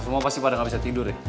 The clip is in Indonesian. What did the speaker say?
semua pasti pada nggak bisa tidur ya